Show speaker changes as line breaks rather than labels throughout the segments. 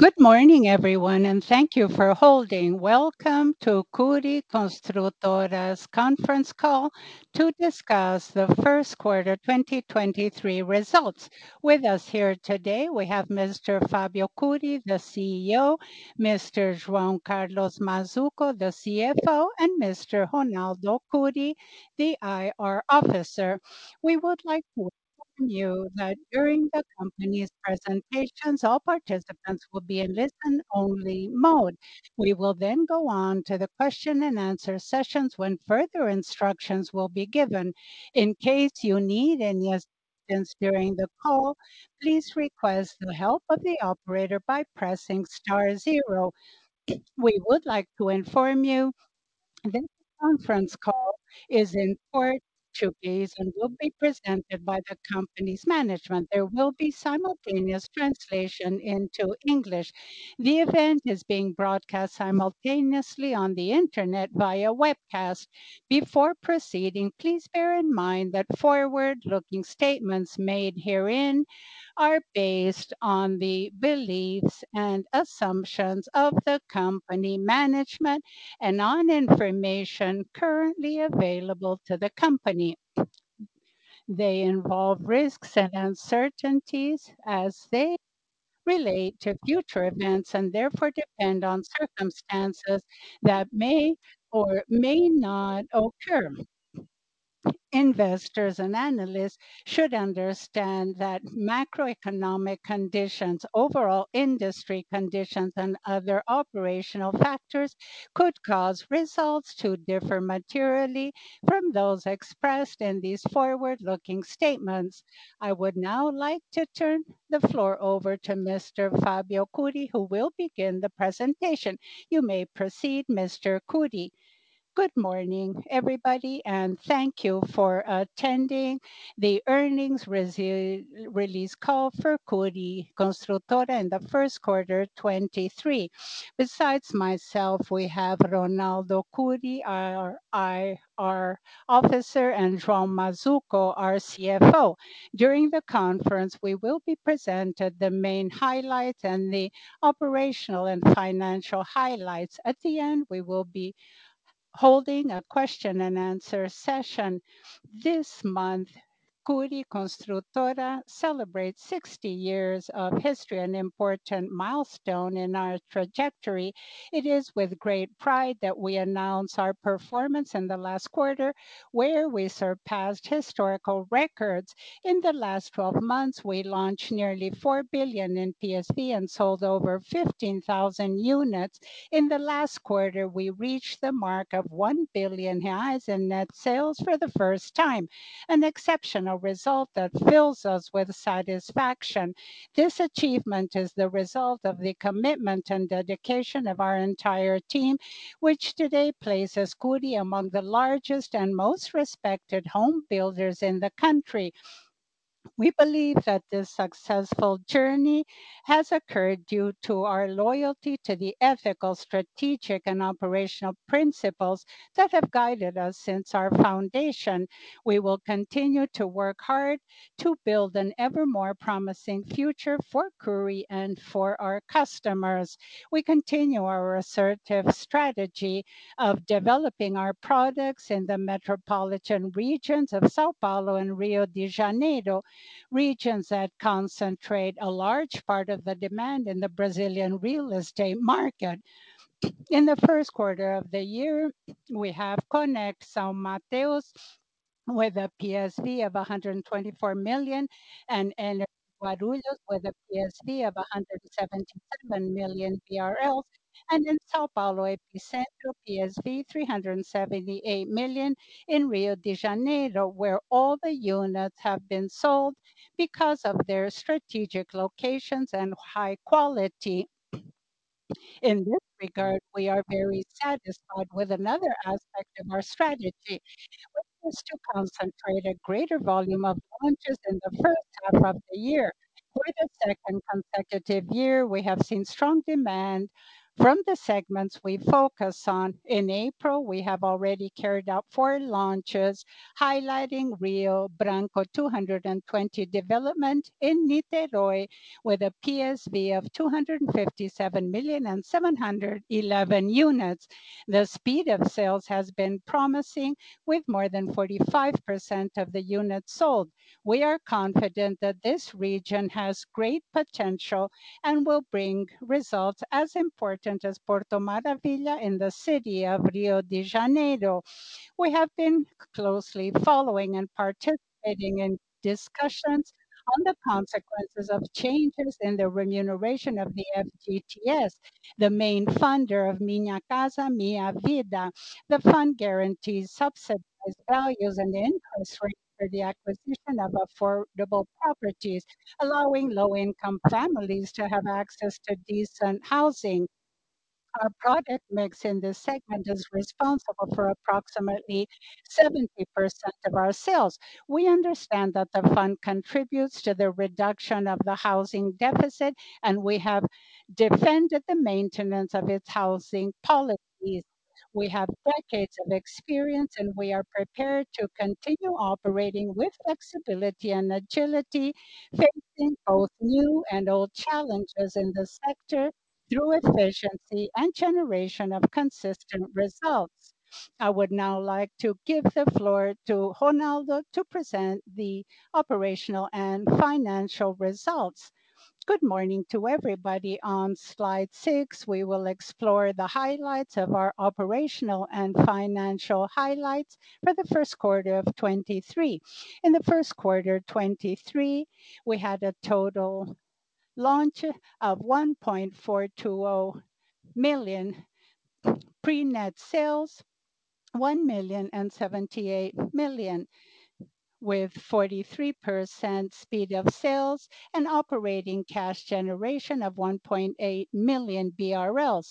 Good morning everyone, thank you for holding. Welcome to Cury Construtora's conference call to discuss the first quarter 2023 results. With us here today we have Mr. Fábio Cury, the CEO, Mr. João Carlos Mazzuco, the CFO, and Mr. Ronaldo Cury, the IR officer. We would like to inform you that during the company's presentations all participants will be in listen only mode. We will go on to the question and answer sessions when further instructions will be given. In case you need any assistance during the call, please request the help of the operator by pressing star 0. We would like to inform you this conference call is in Portuguese and will be presented by the company's management. There will be simultaneous translation into English. The event is being broadcast simultaneously on the Internet via webcast. Before proceeding, please bear in mind that forward-looking statements made herein are based on the beliefs and assumptions of the company management and on information currently available to the company. They involve risks and uncertainties as they relate to future events and therefore depend on circumstances that may or may not occur. Investors and analysts should understand that macroeconomic conditions, overall industry conditions, and other operational factors could cause results to differ materially from those expressed in these forward-looking statements. I would now like to turn the floor over to Mr. Fábio Cury, who will begin the presentation. You may proceed, Mr. Cury. Good morning, everybody, and thank you for attending the earnings release call for Cury Construtora in the first quarter 2023. Besides myself, we have Ronaldo Cury, our IR Officer, and João Mazzuco, our CFO. During the conference, we will be presented the main highlights and the operational and financial highlights. At the end, we will be holding a question and answer session. This month, Cury Construtora celebrates 60 years of history, an important milestone in our trajectory. It is with great pride that we announce our performance in the last quarter, where we surpassed historical records. In the last 12 months, we launched nearly 4 billion in PSV and sold over 15,000 units. In the last quarter, we reached the mark of 1 billion reais in net sales for the first time, an exceptional result that fills us with satisfaction. This achievement is the result of the commitment and dedication of our entire team, which today places Cury among the largest and most respected home builders in the country. We believe that this successful journey has occurred due to our loyalty to the ethical, strategic, and operational principles that have guided us since our foundation. We will continue to work hard to build an ever more promising future for Cury and for our customers. We continue our assertive strategy of developing our products in the metropolitan regions of São Paulo and Rio de Janeiro, regions that concentrate a large part of the demand in the Brazilian real estate market. In the first quarter of the year, we have Connect São Mateus with a PSV of 124 million, and Guarulhos with a PSV of 177 million. In São Paulo Epicentro, PSV 378 million in Rio de Janeiro, where all the units have been sold because of their strategic locations and high quality. In this regard, we are very satisfied with another aspect of our strategy, which is to concentrate a greater volume of launches in the first half of the year. For the second consecutive year, we have seen strong demand from the segments we focus on. In April, we have already carried out four launches, highlighting Rio Branco 220 development in Niterói with a PSV of 257 million and 711 units. The speed of sales has been promising, with more than 45% of the units sold. We are confident that this region has great potential and will bring results as important as Porto Maravilha in the city of Rio de Janeiro. We have been closely following and participating in discussions on the consequences of changes in the remuneration of the FGTS, the main funder of Minha Casa, Minha Vida. The fund guarantees subsidized values and income for the acquisition of affordable properties, allowing low-income families to have access to decent housing. Our product mix in this segment is responsible for approximately 70% of our sales. We understand that the fund contributes to the reduction of the housing deficit. We have defended the maintenance of its housing policies. We have decades of experience. We are prepared to continue operating with flexibility and agility, facing both new and old challenges in the sector through efficiency and generation of consistent results. I would now like to give the floor to Ronaldo to present the operational and financial results. Good morning to everybody. On slide 6, we will explore the highlights of our operational and financial highlights for the 1st quarter of 2023. In the 1st quarter, 2023, we had a total launch of 1.420 million. Pre-net sales, 1,078 million, with 43% speed of sales and operating cash generation of 1.8 million BRL.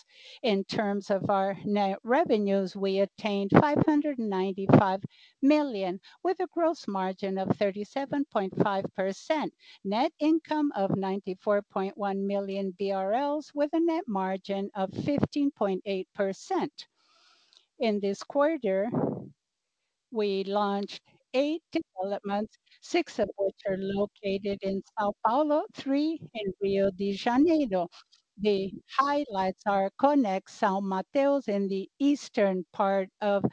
In terms of our net revenues, we attained 595 million, with a gross margin of 37.5%. Net income of 94.1 million BRL with a net margin of 15.8%. In this quarter, we launched eight developments, six of which are located in São Paulo, three in Rio de Janeiro. The highlights are Connect São Mateus in the eastern part of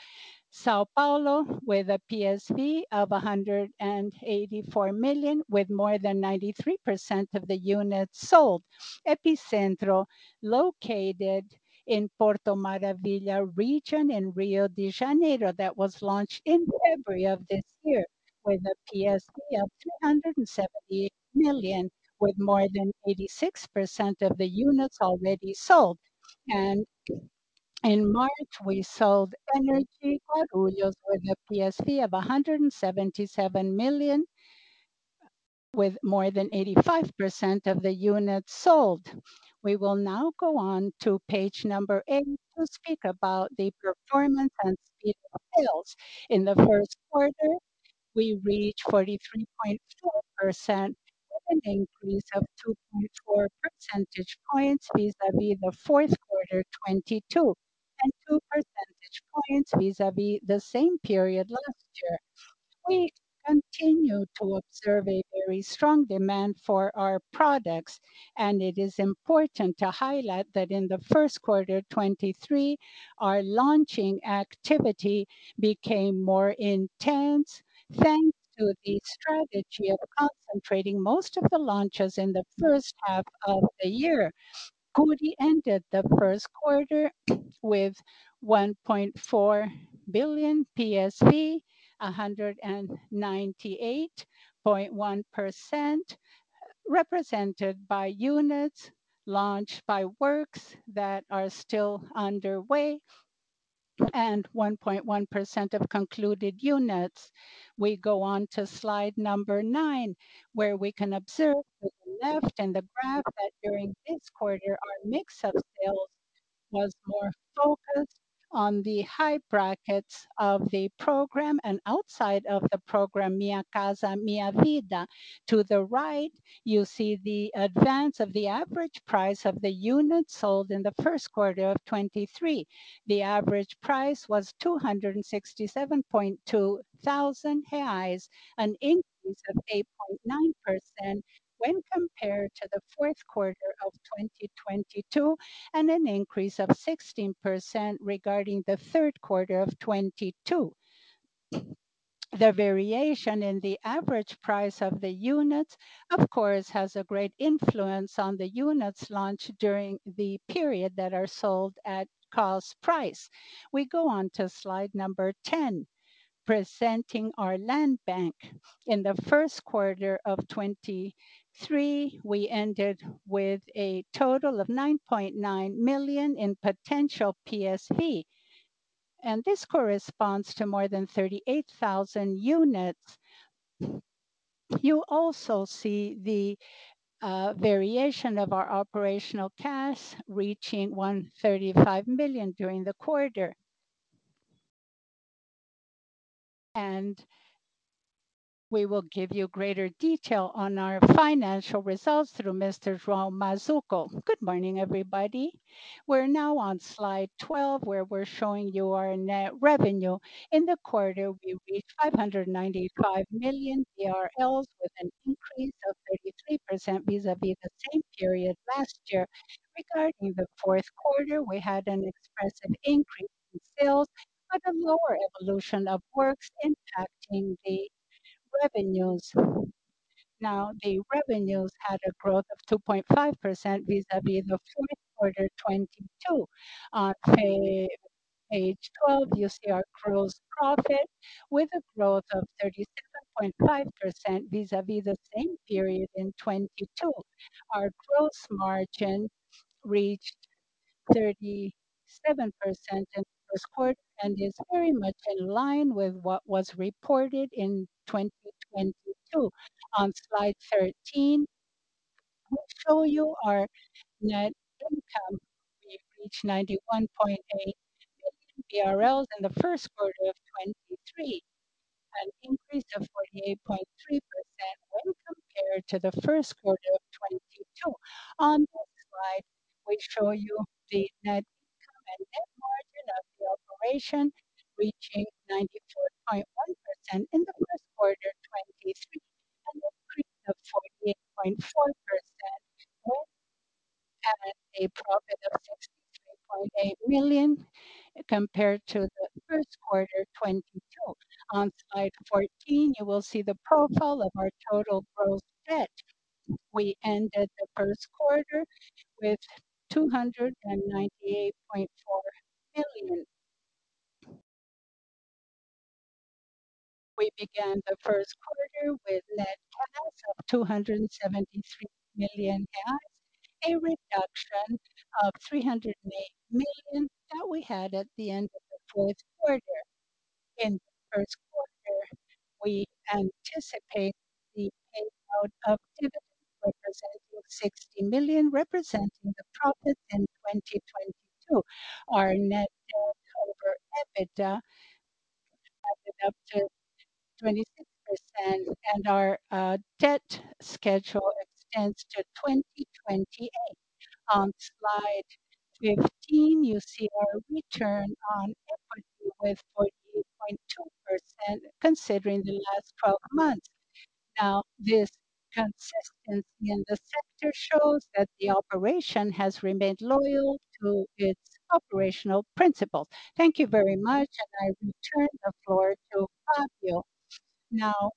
São Paulo, with a PSV of 184 million, with more than 93% of the units sold. Epicentro, located in Porto Maravilha region in Rio de Janeiro, that was launched in February of this year with a PSV of 378 million, with more than 86% of the units already sold. In March, we sold Energy Guarulhos with a PSV of 177 million, with more than 85% of the units sold. We will now go on to page number eight to speak about the performance and speed of sales. In the first quarter, we reached 43.4%, with an increase of 2.4 percentage points vis-à-vis the fourth quarter, 2022, and 2 percentage points vis-à-vis the same period last year. We continue to observe a very strong demand for our products. It is important to highlight that in the first quarter, 2023, our launching activity became more intense thanks to the strategy of concentrating most of the launches in the first half of the year. Cury ended the first quarter with BRL 1.4 billion PSV, 198.1% represented by units launched by works that are still underway and 1.1% of concluded units. We go on to slide number 9, where we can observe to the left in the graph that during this quarter, our mix of sales was more focused on the high brackets of the program and outside of the program Minha Casa, Minha Vida. To the right, you see the advance of the average price of the units sold in the first quarter of 2023. The average price was 267.2 thousand reais, an increase of 8.9% when compared to the fourth quarter of 2022, and an increase of 16% regarding the third quarter of 2022. The variation in the average price of the units, of course, has a great influence on the units launched during the period that are sold at cost price. We go on to slide number 10, presenting our land bank. In the first quarter of 2023, we ended with a total of 9.9 million in potential PSV. This corresponds to more than 38,000 units. You also see the variation of our operational cash reaching 135 million during the quarter. We will give you greater detail on our financial results through Mr. João Mazzuco. Good morning, everybody. We're now on slide 12, where we're showing you our net revenue. In the quarter, we reached 595 million with an increase of 33% vis-à-vis the same period last year. Regarding the fourth quarter, we had an expressive increase in sales, but a lower evolution of works impacting the revenues. The revenues had a growth of 2.5% vis-à-vis the fourth quarter 2022. On page 12, you see our gross profit with a growth of 37.5% vis-à-vis the same period in 2022. Our gross margin reached 37% in the first quarter and is very much in line with what was reported in 2022. On slide 13, we show you our net income. We reached 91.8 million BRL in the first quarter of 2023, an increase of 48.3% when compared to the first quarter of 2022. On this slide, we show you the net income and net margin of the operation reaching 92.1% in the first quarter 2023, an increase of 48.4%. We had a profit of 63.8 million compared to the first quarter 2022. On slide 14, you will see the profile of our total gross debt. We ended the first quarter with BRL 298.4 million. We began the first quarter with net cash of 273 million, a reduction of 308 million that we had at the end of the fourth quarter. In the first quarter, we anticipate the payout of dividends representing 60 million, representing the profit in 2022. Our net debt cover EBITDA added up to 26% and our debt schedule extends to 2028. On slide 15, you see our return on equity with 48.2% considering the last 12 months. Now, this consistency in the sector shows that the operation has remained loyal to its operational principles. Thank you very much. I return the floor to Fábio.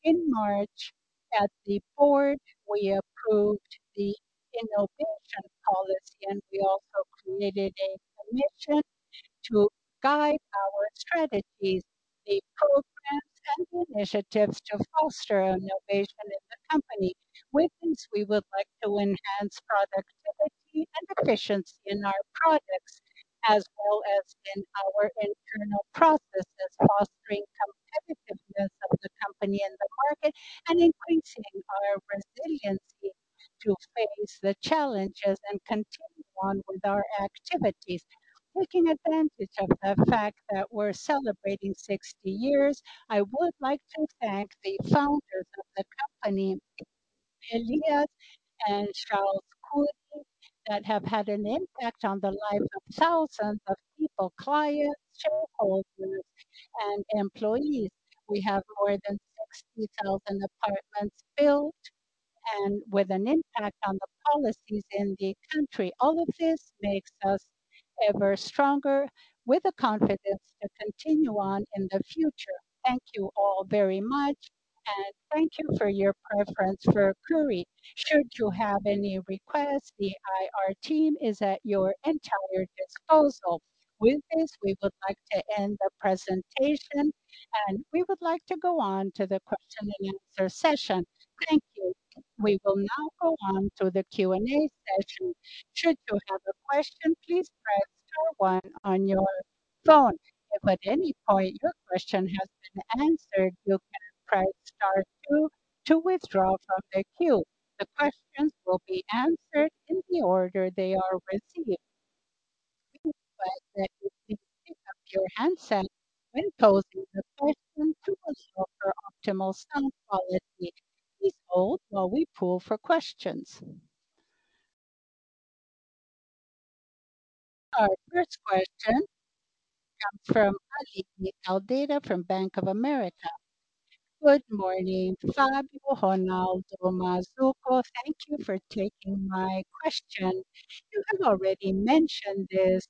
In March, at the board, we approved the innovation policy. We also committed a commission to guide our strategies, the programs and initiatives to foster innovation in the company. With this, we would like to enhance productivity and efficiency in our products as well as in our internal processes, fostering competitiveness of the company in the market and increasing our resiliency to face the challenges and continue on with our activities. Taking advantage of the fact that we're celebrating 60 years, I would like to thank the founders of the company, Elias and Carlos Cury, that have had an impact on the lives of thousands of people, clients, shareholders, and employees. We have more than 60,000 apartments built and with an impact on the policies in the country. All of this makes us ever stronger with the confidence to continue on in the future. Thank you all very much, and thank you for your preference for Cury. Should you have any requests, the IR team is at your entire disposal. With this, we would like to end the presentation, and we would like to go on to the question and answer session. Thank you. We will now go on to the Q&A session. Should you have a question, please press star one on your phone. If at any point your question has been answered, you can press star two to withdraw from the queue. The questions will be answered in the order they are received. We request that you please pick up your handset when posing a question to ensure optimal sound quality. Please hold while we poll for questions. Our first question comes from Alínea de Sá from Bank of America. Good morning, Fábio, Ronaldo, Mazzuco. Thank you for taking my question. You have already mentioned this,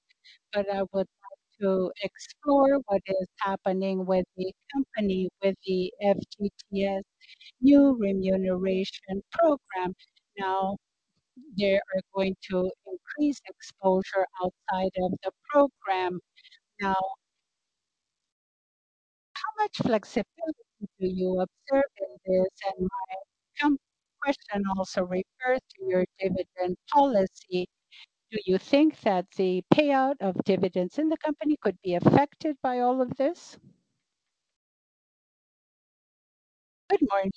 but I would like to explore what is happening with the company, with the FGTS new remuneration program. They are going to increase exposure outside of the program. How much flexibility do you observe in this? My second question also refers to your dividend policy. Do you think that the payout of dividends in the company could be affected by all of this? Good morning,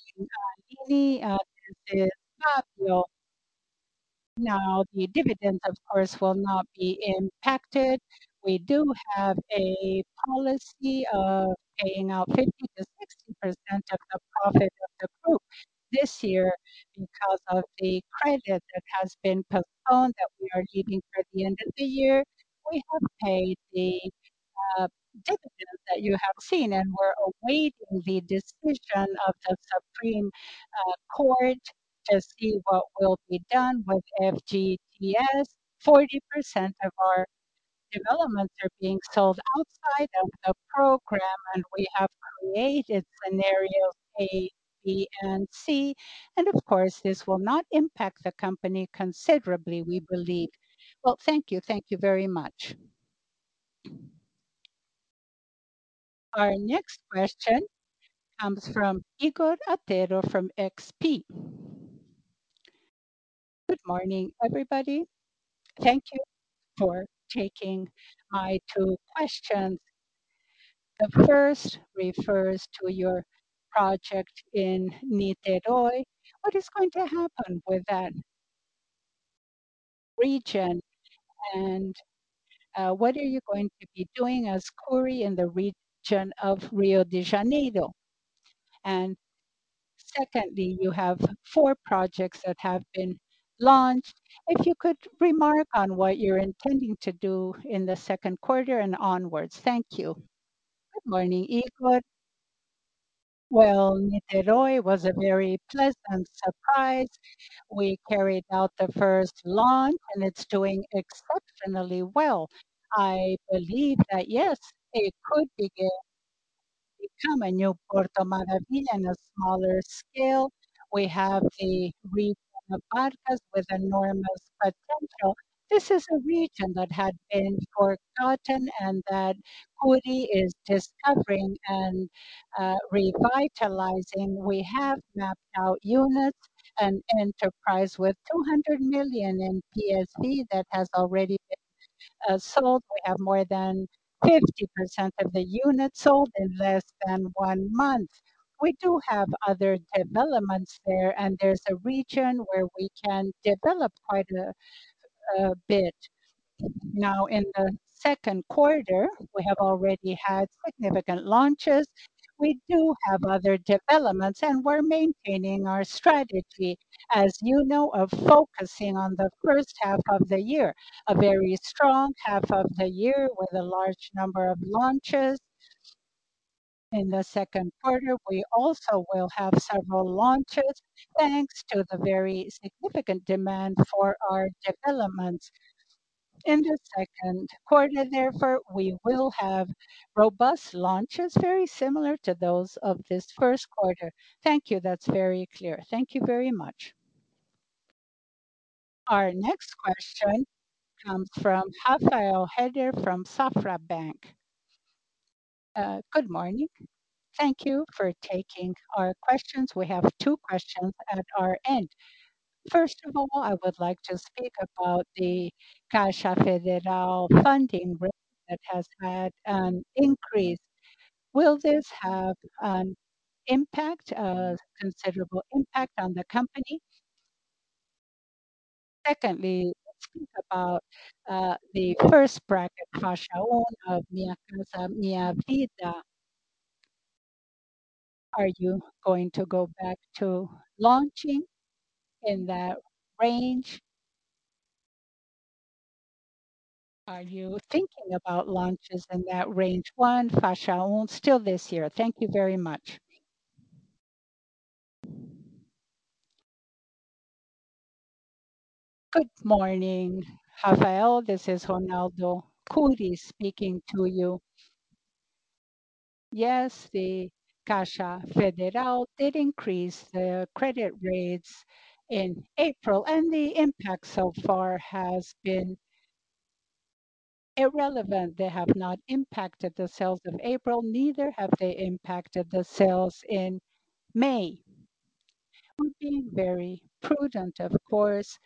Ali. This is Fábio. The dividends, of course, will not be impacted. We do have a policy of paying out 50%-60% of the profit of the group. This year, because of the credit that has been postponed that we are keeping for the end of the year, we have paid the dividends that you have seen. We're awaiting the decision of the Supreme Court to see what will be done with FGTS. 40% of our developments are being sold outside of the program. We have created scenarios A, B, and C. Of course, this will not impact the company considerably, we believe. Well, thank you. Thank you very much. Our next question comes from Igor Catone from XP. Good morning, everybody. Thank you for taking my two questions. The first refers to your project in Niterói. What is going to happen with that region? What are you going to be doing as Cury in the region of Rio de Janeiro? Secondly, you have four projects that have been launched. If you could remark on what you're intending to do in the second quarter and onwards. Thank you. Good morning, Igor. Well, Niterói was a very pleasant surprise. We carried out the first launch, and it's doing exceptionally well. I believe that, yes, it could become a new Porto Maravilha in a smaller scale. We have a region of Parcas with enormous potential. This is a region that had been forgotten and that Cury is discovering and revitalizing. We have mapped out units and enterprise with 200 million in PSV that has already been sold. We have more than 50% of the units sold in less than one month. We do have other developments there, and there's a region where we can develop quite a bit. In the second quarter, we have already had significant launches. We do have other developments. We're maintaining our strategy, as you know, of focusing on the first half of the year, a very strong half of the year with a large number of launches. In the second quarter, we also will have several launches, thanks to the very significant demand for our developments. In the second quarter, therefore, we will have robust launches, very similar to those of this first quarter. Thank you. That's very clear. Thank you very much. Our next question comes from Rafael Sacks from Safra Bank. Good morning. Thank you for taking our questions. We have two questions at our end. First of all, I would like to speak about the Caixa Federal funding rate that has had an increase. Will this have an impact, a considerable impact on the company? Secondly, let's think about the first bracket, Faixa 1, of Minha Casa, Minha Vida. Are you going to go back to launching in that range? Are you thinking about launches in that range one, Faixa 1, still this year? Thank you very much. Good morning, Rafael. This is Ronaldo Cury speaking to you. The Caixa Federal did increase their credit rates in April, the impact so far has been irrelevant. They have not impacted the sales of April, neither have they impacted the sales in May. We're being very prudent, of course.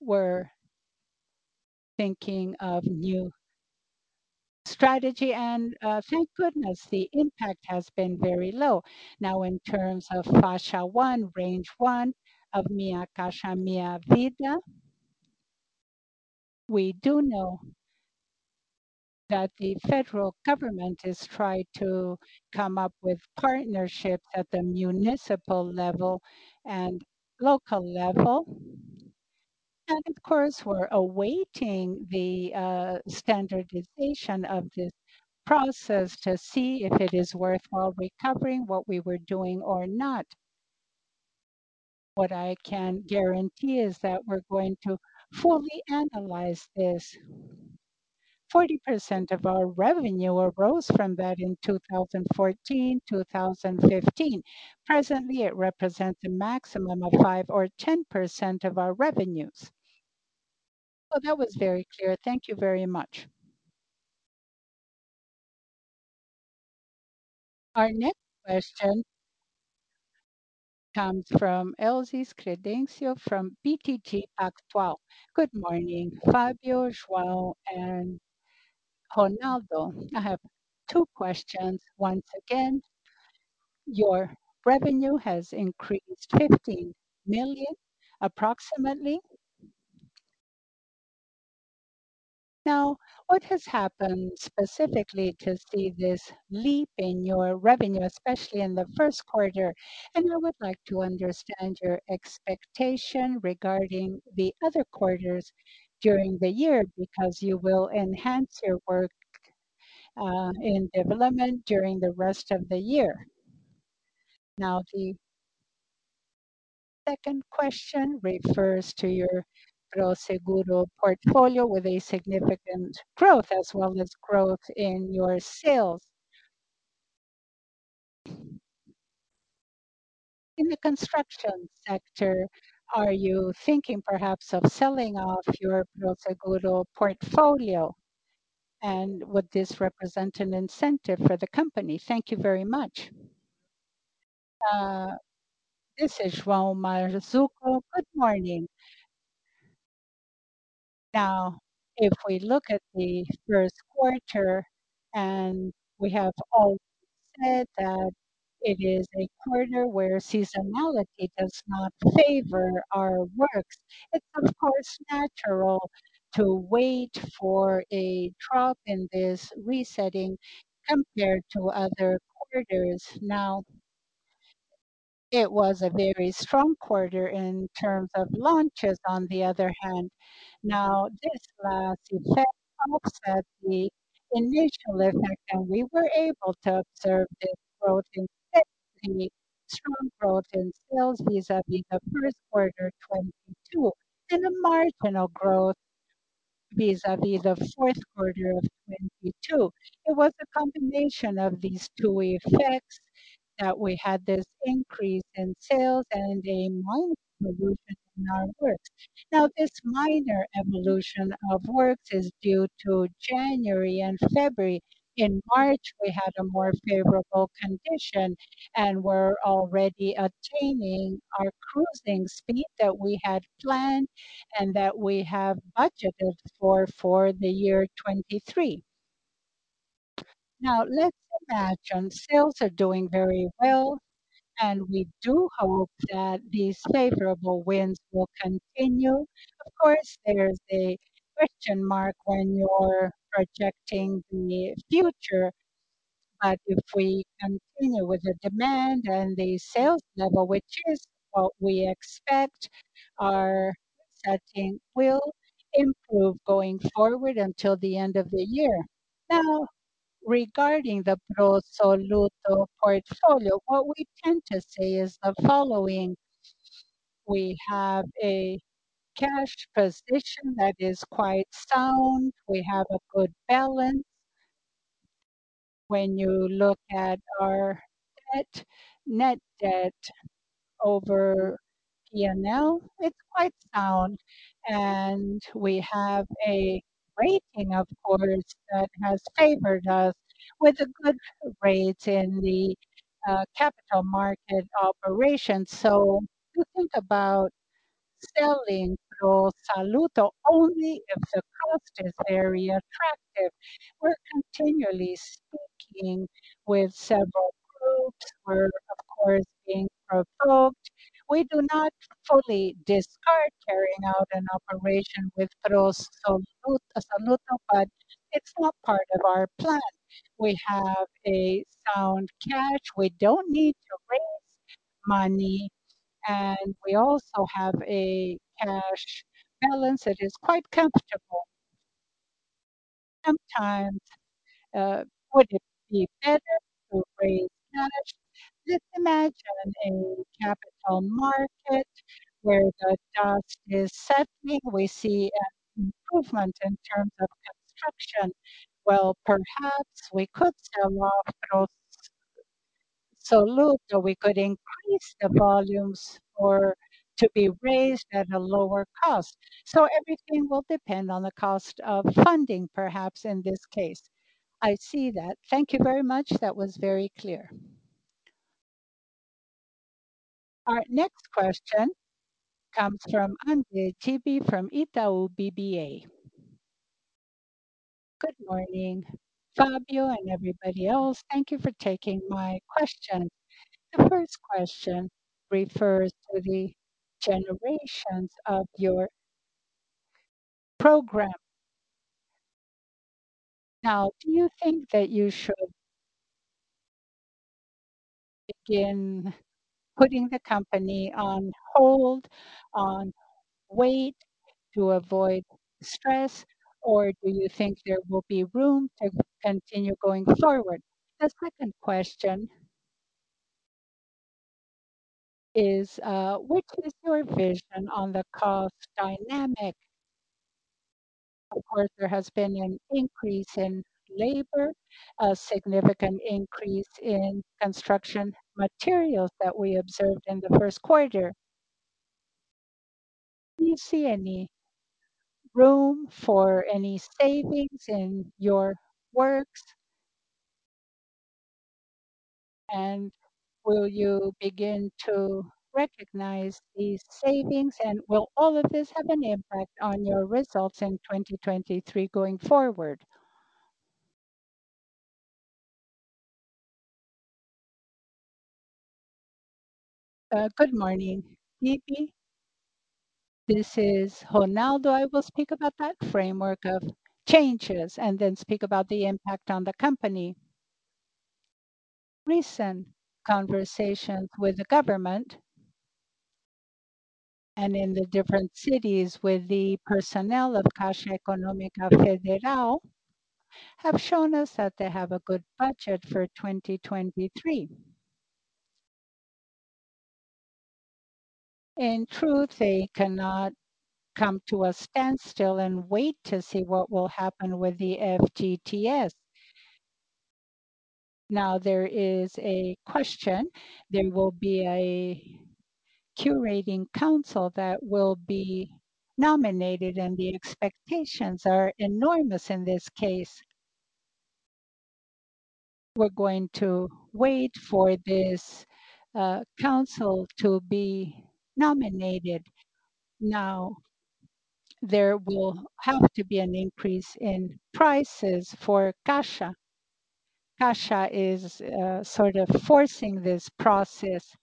We're thinking of new strategy, thank goodness, the impact has been very low. In terms of Faixa 1, range one of Minha Casa, Minha Vida, we do know that the federal government has tried to come up with partnerships at the municipal level and local level. Of course, we're awaiting the standardization of this process to see if it is worthwhile recovering what we were doing or not. What I can guarantee is that we're going to fully analyze this. 40% of our revenue arose from that in 2014, 2015. Presently, it represents a maximum of 5 or 10% of our revenues. That was very clear. Thank you very much. Our next question comes from Elvis Credendio from BTG Pactual. Good morning, Fábio, João, and Ronaldo. I have two questions once again. Your revenue has increased 15 million approximately. What has happened specifically to see this leap in your revenue, especially in the first quarter? I would like to understand your expectation regarding the other quarters during the year, because you will enhance your work in development during the rest of the year. The second question refers to your pro soluto portfolio with a significant growth as well as growth in your sales. In the construction sector, are you thinking perhaps of selling off your pro soluto portfolio? Would this represent an incentive for the company? Thank you very much. This is João Mazzuco. Good morning. If we look at the first quarter, and we have all said that it is a quarter where seasonality does not favor our works, it's of course natural to wait for a drop in this resetting compared to other quarters. It was a very strong quarter in terms of launches, on the other hand. This last effect offset the initial effect, we were able to observe this growth in sales, a strong growth in sales vis-à-vis the first quarter 2022, and a marginal growth vis-à-vis the fourth quarter of 2022. It was a combination of these two effects that we had this increase in sales and a minor evolution in our works. This minor evolution of works is due to January and February. In March, we had a more favorable condition, we're already attaining our cruising speed that we had planned and that we have budgeted for the year 2023. Let's imagine sales are doing very well, we do hope that these favorable winds will continue. Of course, there's a question mark when you're projecting the future. If we continue with the demand and the sales level, which is what we expect, our setting will improve going forward until the end of the year. Regarding the pro soluto portfolio, what we tend to say is the following: We have a cash position that is quite sound. We have a good balance. When you look at our debt, net debt over P&L, it's quite sound. We have a rating, of course, that has favored us with a good rate in the capital market operations. To think about selling pro soluto only if the cost is very attractive. We're continually speaking with several groups. We're, of course, being provoked. We do not fully discard carrying out an operation with pro soluto, but it's not part of our plan. We have a sound cash. We don't need to raise money. We also have a cash balance that is quite comfortable. Sometimes, would it be better to raise cash? Let's imagine a capital market where the dust is settling. We see an improvement in terms of construction. Well, perhaps we could sell off pro soluto. We could increase the volumes or to be raised at a lower cost. Everything will depend on the cost of funding, perhaps in this case. I see that. Thank you very much. That was very clear. Our next question comes from André Dib from Itaú BBA. Good morning, Fabio and everybody else. Thank you for taking my question. The first question refers to the generations of your program. Do you think that you should begin putting the company on hold, on wait to avoid stress, or do you think there will be room to continue going forward? The second question is, what is your vision on the cost dynamic? Of course, there has been an increase in labor, a significant increase in construction materials that we observed in the first quarter. Do you see any room for any savings in your works? Will you begin to recognize these savings, and will all of this have an impact on your results in 2023 going forward? Good morning, Dibe. This is Ronaldo. I will speak about that framework of changes and then speak about the impact on the company. Recent conversations with the government and in the different cities with the personnel of Caixa Econômica Federal have shown us that they have a good budget for 2023. In truth, they cannot come to a standstill and wait to see what will happen with the FGTS. There is a question. There will be a curating council that will be nominated, and the expectations are enormous in this case. We're going to wait for this council to be nominated. There will have to be an increase in prices for Caixa. Caixa is sort of forcing this process.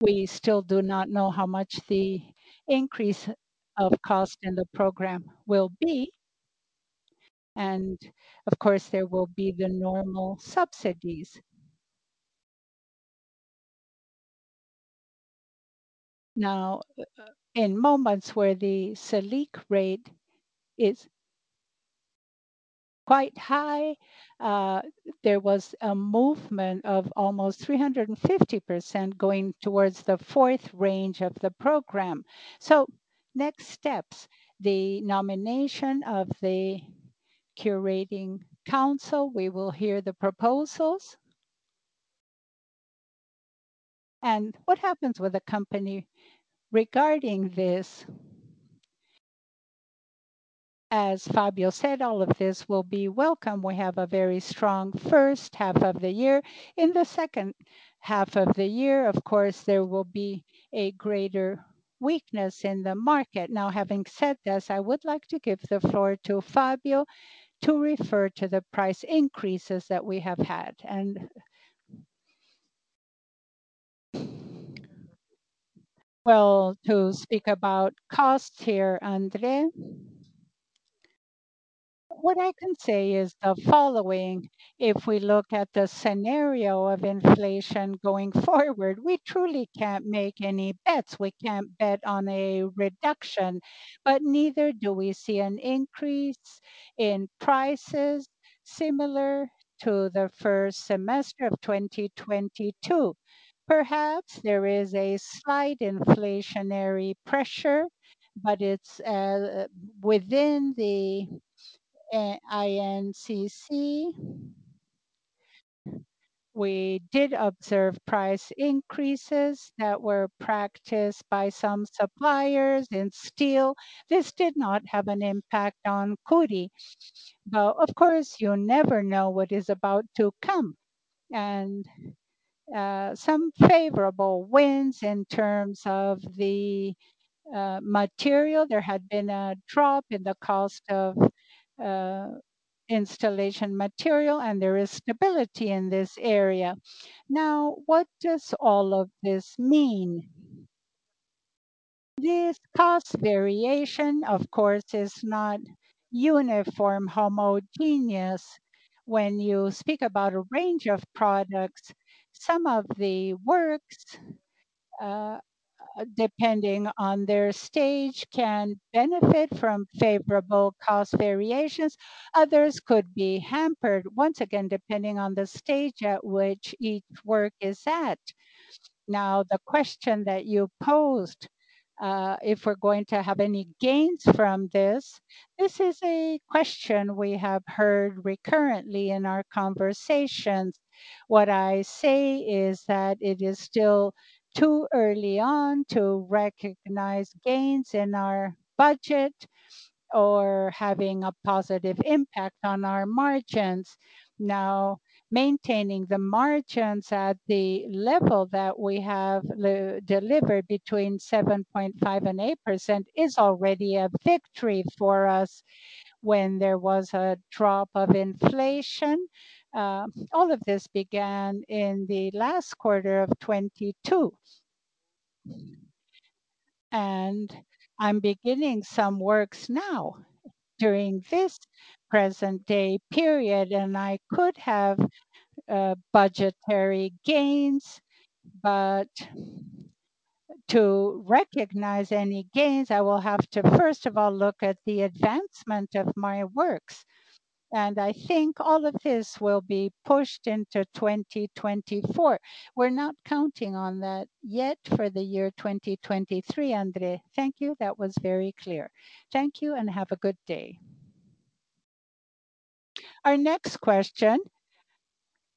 We still do not know how much the increase of cost in the program will be. Of course, there will be the normal subsidies. In moments where the Selic rate is quite high, there was a movement of almost 350% going towards the fourth range of the program. Next steps, the nomination of the curating council. We will hear the proposals. What happens with a company regarding this? As Fábio said, all of this will be welcome. We have a very strong first half of the year. In the second half of the year, of course, there will be a greater weakness in the market. Having said this, I would like to give the floor to Fábio to refer to the price increases that we have had. Well, to speak about costs here, André, what I can say is the following. If we look at the scenario of inflation going forward, we truly can't make any bets. We can't bet on a reduction, but neither do we see an increase in prices similar to the first semester of 2022. Perhaps there is a slight inflationary pressure, but it's within the INCC. We did observe price increases that were practiced by some suppliers in steel. This did not have an impact on Cury. Of course, you never know what is about to come. Some favorable winds in terms of the material. There had been a drop in the cost of installation material, and there is stability in this area. What does all of this mean? This cost variation, of course, is not uniform homogeneous. When you speak about a range of products, some of the works, depending on their stage, can benefit from favorable cost variations. Others could be hampered, once again, depending on the stage at which each work is at. The question that you posed, if we're going to have any gains from this is a question we have heard recurrently in our conversations. What I say is that it is still too early on to recognize gains in our budget or having a positive impact on our margins. Maintaining the margins at the level that we have delivered between 7.5% and 8% is already a victory for us when there was a drop of inflation. All of this began in the last quarter of 2022. I'm beginning some works now during this present day period, and I could have budgetary gains. To recognize any gains, I will have to first of all look at the advancement of my works. I think all of this will be pushed into 2024. We're not counting on that yet for the year 2023, André. Thank you. That was very clear. Thank you and have a good day. Our next question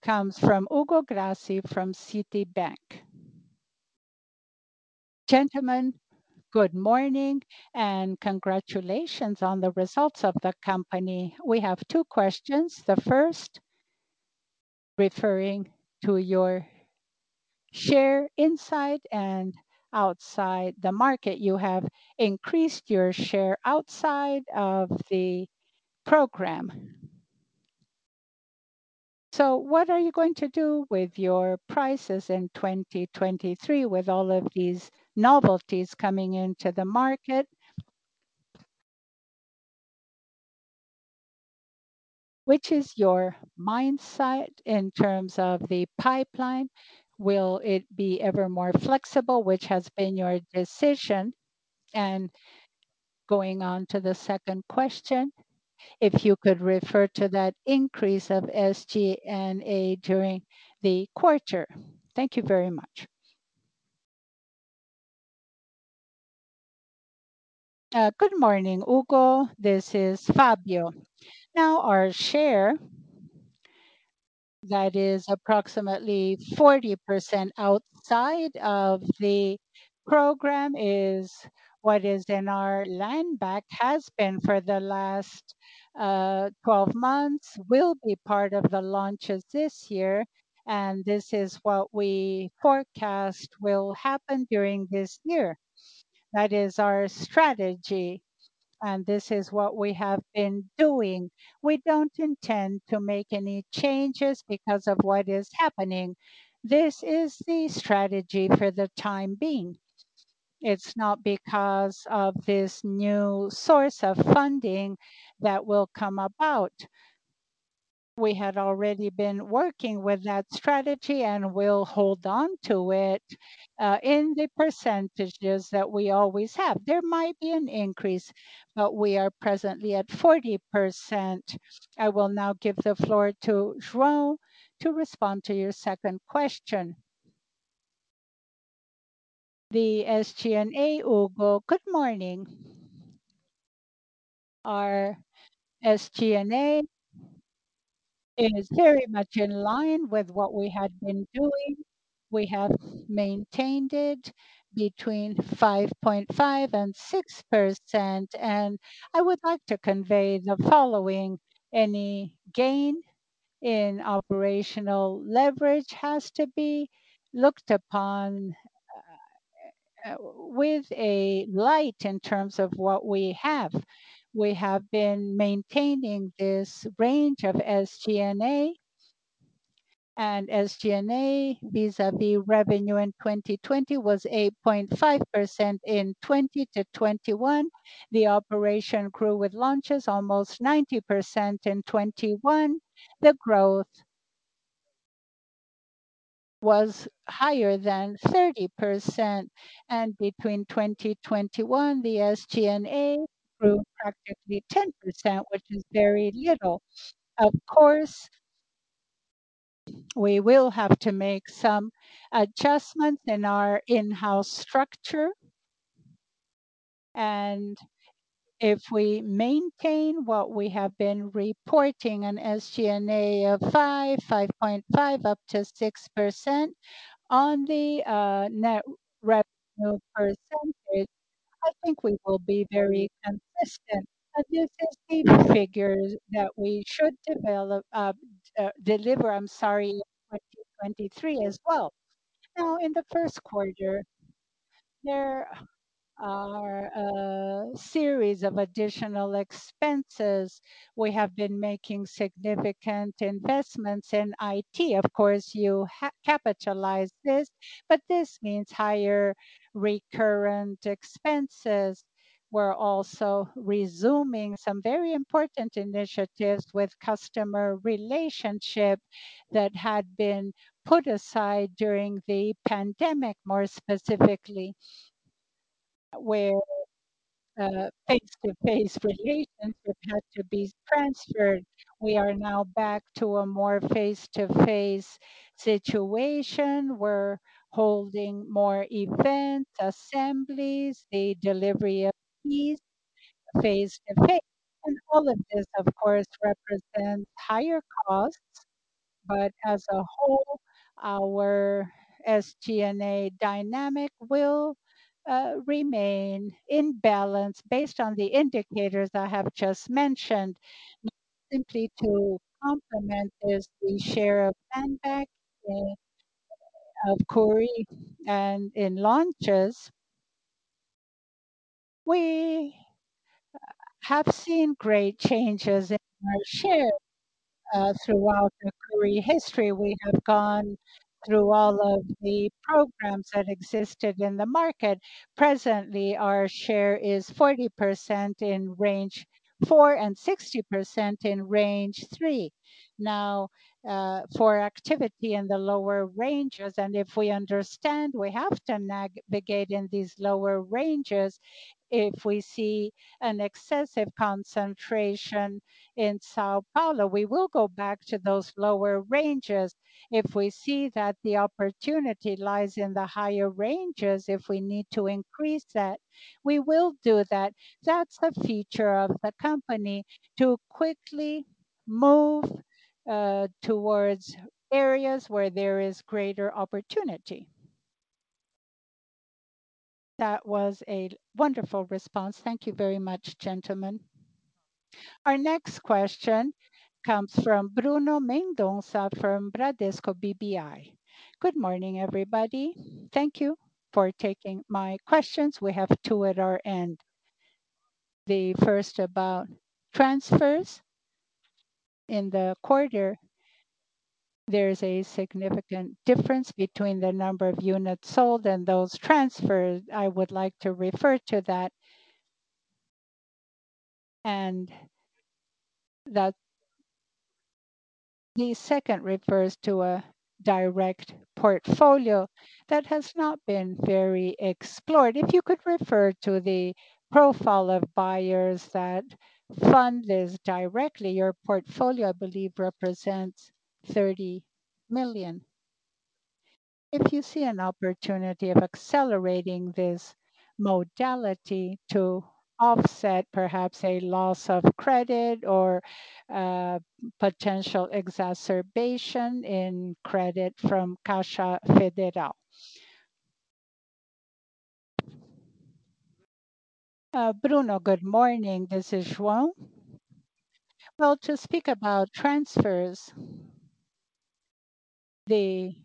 comes from Hugo Gracio from Citibank. Gentlemen, good morning and congratulations on the results of the company. We have two questions. The first, referring to your share inside and outside the market. You have increased your share outside of the program. What are you going to do with your prices in 2023 with all of these novelties coming into the market? Which is your mindset in terms of the pipeline? Will it be ever more flexible, which has been your decision? Going on to the second question. If you could refer to that increase of SG&A during the quarter. Thank you very much. Good morning, Ugo. This is Fábio. Our share that is approximately 40% outside of the program is what is in our land bank, has been for the last 12 months, will be part of the launches this year, and this is what we forecast will happen during this year. That is our strategy, and this is what we have been doing. We don't intend to make any changes because of what is happening. This is the strategy for the time being. It's not because of this new source of funding that will come about. We had already been working with that strategy, and we'll hold on to it in the percentages that we always have. There might be an increase, but we are presently at 40%. I will now give the floor to João to respond to your second question. The SG&A, Ugo. Good morning. Our SG&A is very much in line with what we had been doing. We have maintained it between 5.5% and 6%. I would like to convey the following. Any gain in operational leverage has to be looked upon with a light in terms of what we have. We have been maintaining this range of SG&A. SG&A vis-à-vis revenue in 2020 was 8.5%. In 2020 to 2021, the operation grew with launches almost 90%. In 2021, the growth was higher than 30%. Between 2021, the SG&A grew practically 10%, which is very little. Of course, we will have to make some adjustments in our in-house structure. If we maintain what we have been reporting an SG&A of 5.5%, up to 6% on the net revenue percentage, I think we will be very consistent. This is the figures that we should deliver, I'm sorry, in 2023 as well. Now in the first quarter, there are a series of additional expenses. We have been making significant investments in IT. Of course, you capitalize this, but this means higher recurrent expenses. We're also resuming some very important initiatives with customer relationship that had been put aside during the pandemic. More specifically, where face-to-face relations have had to be transferred. We are now back to a more face-to-face situation. We're holding more event assemblies, the delivery of keys face-to-face. All of this, of course, represents higher costs. As a whole, our SG&A dynamic will remain in balance based on the indicators I have just mentioned. Simply to complement is the share of landbank and of Cury and in launches. We have seen great changes in our share throughout the Cury history. We have gone through all of the programs that existed in the market. Presently, our share is 40% in Range 4 and 60% in Range 3. For activity in the lower ranges, and if we understand we have to navigate in these lower ranges. If we see an excessive concentration in São Paulo, we will go back to those lower ranges. If we see that the opportunity lies in the higher ranges, if we need to increase that, we will do that. That's the feature of the company to quickly move towards areas where there is greater opportunity. That was a wonderful response. Thank you very much, gentlemen. Our next question comes from Bruno Mendonça from Bradesco BBI. Good morning, everybody. Thank you for taking my questions. We have two at our end. The first about transfers. In the quarter, there is a significant difference between the number of units sold and those transferred. I would like to refer to that. The second refers to a direct portfolio that has not been very explored. If you could refer to the profile of buyers that fund this directly, your portfolio, I believe, represents 30 million. If you see an opportunity of accelerating this modality to offset perhaps a loss of credit or potential exacerbation in credit from Caixa Federal. Bruno, good morning. This is João. Well, to speak about transfers, the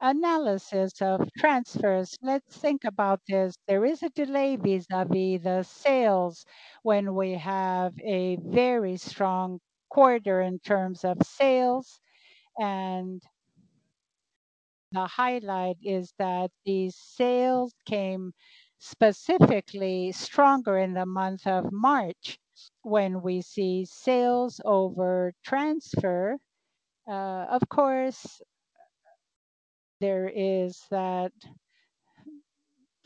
analysis of transfers, let's think about this. There is a delay vis-à-vis the sales when we have a very strong quarter in terms of sales. The highlight is that the sales came specifically stronger in the month of March when we see sales over transfer. Of course, there is that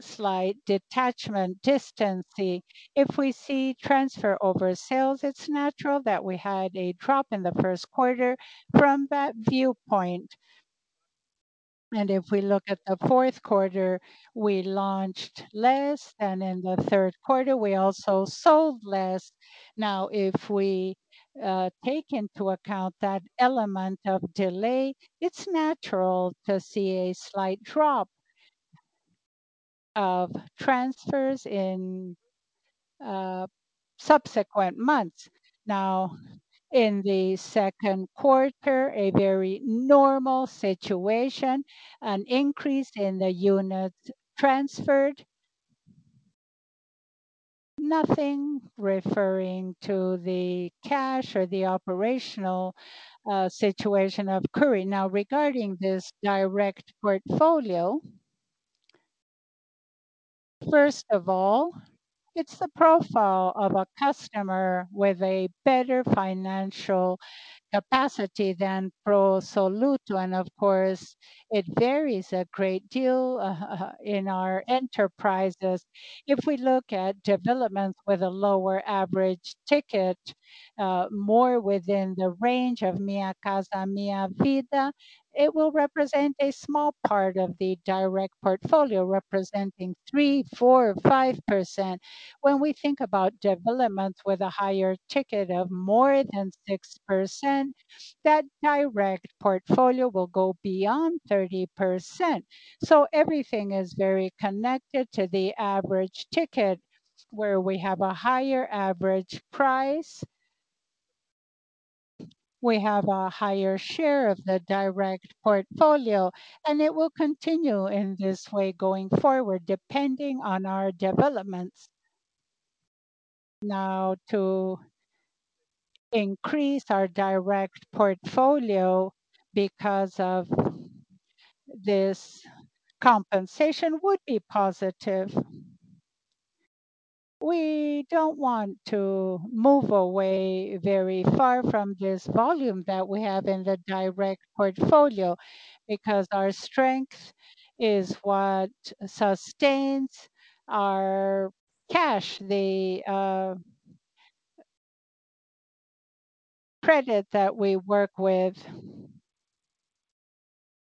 slight detachment, distancy. If we see transfer over sales, it's natural that we had a drop in the first quarter from that viewpoint. If we look at the fourth quarter, we launched less, and in the third quarter, we also sold less. If we take into account that element of delay, it's natural to see a slight drop of transfers in subsequent months. In the second quarter, a very normal situation, an increase in the units transferred. Nothing referring to the cash or the operational situation of Cury. Regarding this direct portfolio, first of all, it's the profile of a customer with a better financial capacity than pro soluto. Of course, it varies a great deal in our enterprises. If we look at developments with a lower average ticket, more within the range of Minha Casa, Minha Vida, it will represent a small part of the direct portfolio, representing 3%, 4%, 5%. When we think about developments with a higher ticket of more than 6%, that direct portfolio will go beyond 30%. Everything is very connected to the average ticket. Where we have a higher average price, we have a higher share of the direct portfolio, and it will continue in this way going forward, depending on our developments. To increase our direct portfolio because of this compensation would be positive. We don't want to move away very far from this volume that we have in the direct portfolio because our strength is what sustains our cash, the credit that we work with.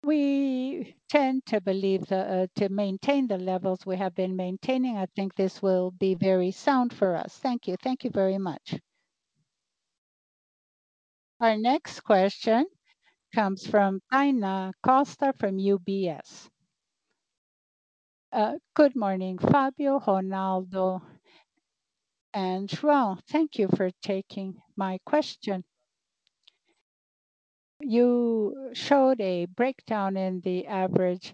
We tend to believe to maintain the levels we have been maintaining. I think this will be very sound for us. Thank you. Thank you very much. Our next question comes from Thainan Costa from UBS. Good morning, Fábio, Ronaldo, and João. Thank you for taking my question. You showed a breakdown in the average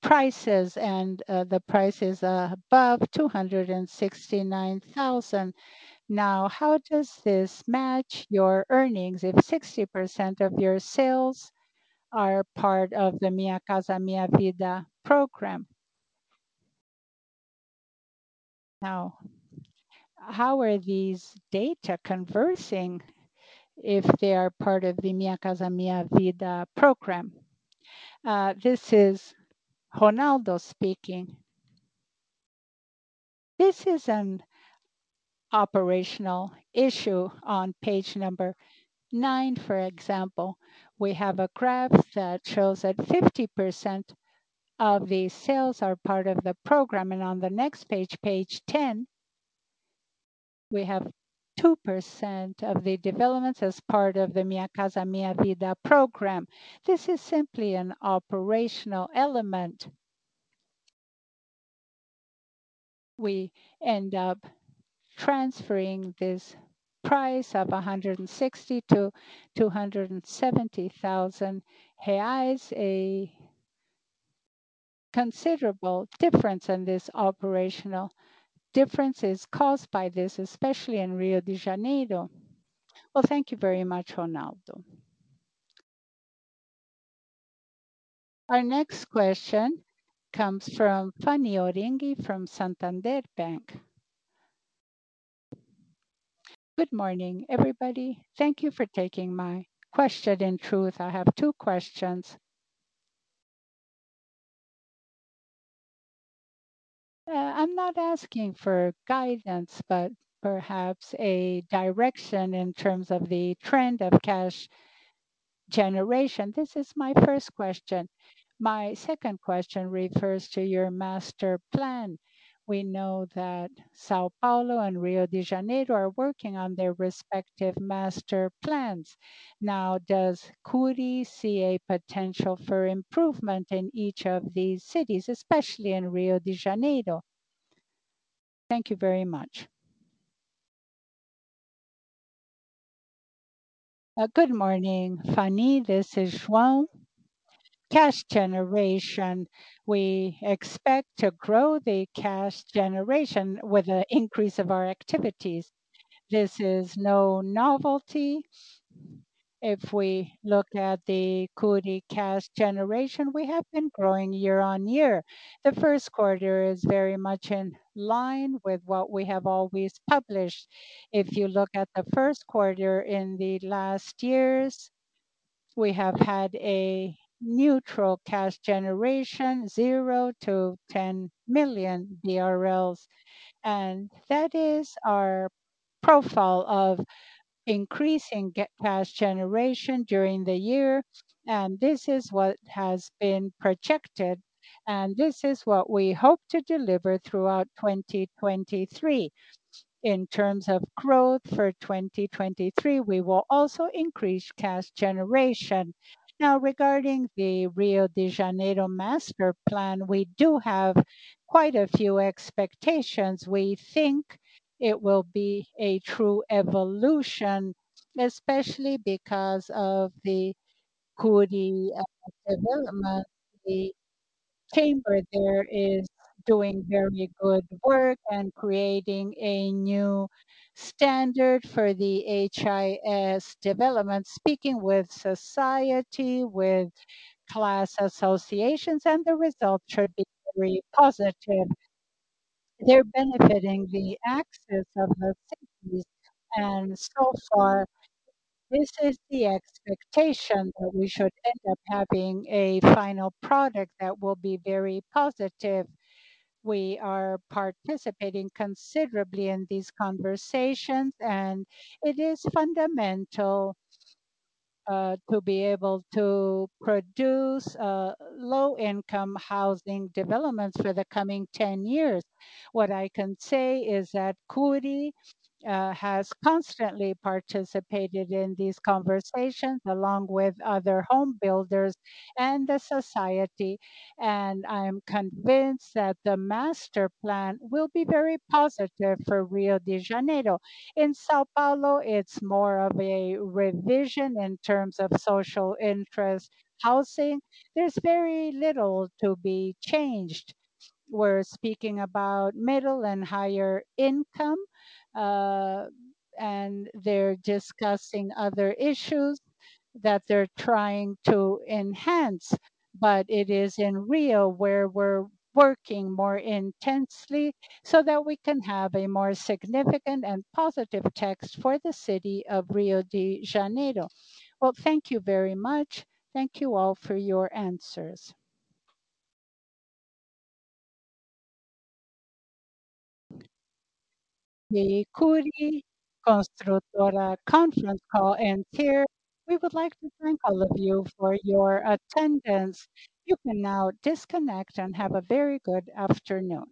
prices and the prices above 269,000. How does this match your earnings if 60% of your sales are part of the Minha Casa, Minha Vida program? How are these data conversing if they are part of the Minha Casa, Minha Vida program? This is Ronaldo speaking. This is an operational issue. On page number 9, for example, we have a graph that shows that 50% of the sales are part of the program. On the next page 10, we have 2% of the developments as part of the Minha Casa, Minha Vida program. This is simply an operational element. We end up transferring this price of 160 to 270,000 reais, a considerable difference, and this operational difference is caused by this, especially in Rio de Janeiro. Well, thank you very much, Ronaldo. Our next question comes from Thainan Costa from Santander. Good morning, everybody. Thank you for taking my question. In truth, I have two questions. I'm not asking for guidance, but perhaps a direction in terms of the trend of cash generation. This is my first question. My second question refers to your master plan. We know that São Paulo and Rio de Janeiro are working on their respective master plans. Does Cury see a potential for improvement in each of these cities, especially in Rio de Janeiro? Thank you very much. Good morning, Fanny. This is João. Cash generation. We expect to grow the cash generation with an increase of our activities. This is no novelty. If we look at the Cury cash generation, we have been growing year-on-year. The first quarter is very much in line with what we have always published. If you look at the first quarter in the last years, we have had a neutral cash generation, 0 to 10 million BRL, that is our profile of increasing cash generation during the year. This is what has been projected, and this is what we hope to deliver throughout 2023. In terms of growth for 2023, we will also increase cash generation. Regarding the Rio de Janeiro master plan, we do have quite a few expectations. We think it will be a true evolution, especially because of the Cury development. The chamber there is doing very good work and creating a new standard for the HIS development, speaking with society, with class associations, and the results should be very positive. They're benefiting the access of the cities. So far, this is the expectation that we should end up having a final product that will be very positive. We are participating considerably in these conversations, and it is fundamental to be able to produce low income housing developments for the coming 10 years. What I can say is that Cury has constantly participated in these conversations along with other home builders and the society, I am convinced that the master plan will be very positive for Rio de Janeiro. In São Paulo, it's more of a revision in terms of social interest housing. There's very little to be changed. We're speaking about middle and higher income, and they're discussing other issues that they're trying to enhance. It is in Rio where we're working more intensely so that we can have a more significant and positive text for the city of Rio de Janeiro. Thank you very much. Thank you all for your answers. The Cury Construtora conference call ends here. We would like to thank all of you for your attendance. You can now disconnect and have a very good afternoon.